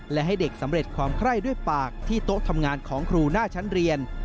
และให้เด็กสำเร็จความไคร้ด้วยปากที่โต๊ะทำงานของครูหน้าชั้นเรียน